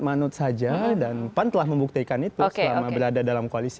manut saja dan pan telah membuktikan itu selama berada dalam koalisi